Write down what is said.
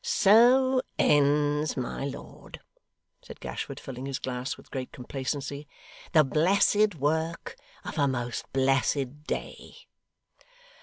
'So ends, my lord,' said Gashford, filling his glass with great complacency, 'the blessed work of a most blessed day.